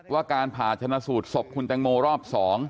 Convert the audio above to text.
การผ่าชนะสูตรศพคุณแตงโมรอบ๒